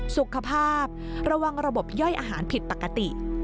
สุขภาพระวังระบบย่อยอาหารผิดปกติ